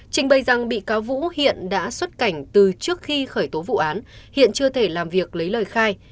trình bày rằng bị cáo vũ hiện đã xuất cảnh từ trước khi khởi tố vụ án hiện chưa thể làm việc lấy lời khai